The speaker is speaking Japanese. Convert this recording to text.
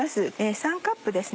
３カップですね。